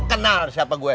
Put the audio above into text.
kenal siapa gue